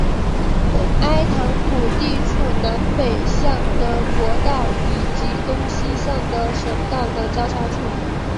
埃唐普地处南北向的国道以及东西向的省道的交叉处。